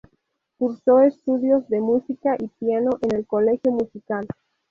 Cursó estudios de música y piano en el Colegio Musical.